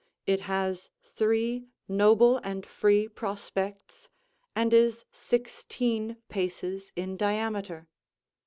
It has three noble and free prospects, and is sixteen paces in diameter.